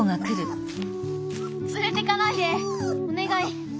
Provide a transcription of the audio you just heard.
つれてかないでおねがい。